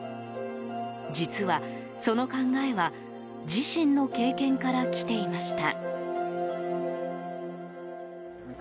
実は、その考えは自身の経験から来ていました。